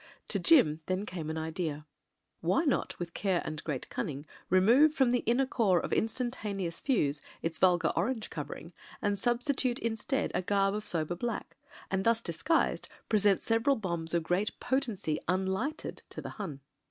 To Jim then came an idea. Why not with care and great cunning remove from the inner core of In stantaneous fuze its vulgar orange covering, and sub stitute instead a garb of sober black — ^and thus dis guised present several bombs of great potency tm lighted to the Hun.